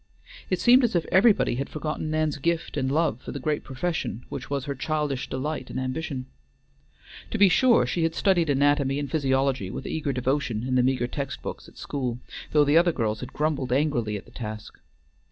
It seemed as if everybody had forgotten Nan's gift and love for the great profession which was her childish delight and ambition. To be sure she had studied anatomy and physiology with eager devotion in the meagre text books at school, though the other girls had grumbled angrily at the task.